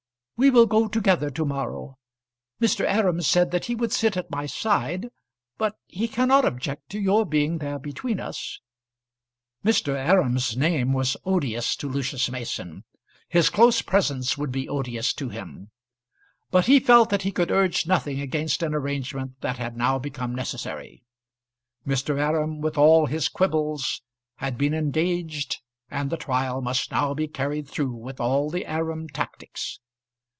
"We will go together to morrow. Mr. Aram said that he would sit at my side, but he cannot object to your being there between us." Mr. Aram's name was odious to Lucius Mason. His close presence would be odious to him. But he felt that he could urge nothing against an arrangement that had now become necessary. Mr. Aram, with all his quibbles, had been engaged, and the trial must now be carried through with all the Aram tactics.